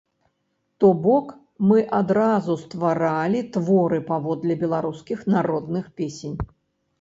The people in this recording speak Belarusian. То бок, мы адразу стваралі творы паводле беларускіх народных песень.